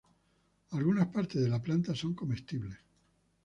Algunas partes de la planta son comestibles.